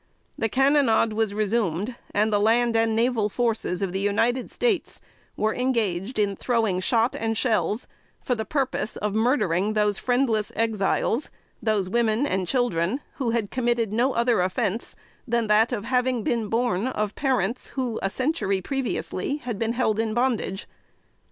The cannonade was resumed, and the land and naval forces of the United States were engaged in throwing shot and shells for the purpose of murdering those friendless Exiles, those women and children, who had committed no other offense than that of having been born of parents who, a century previously, had been held in bondage.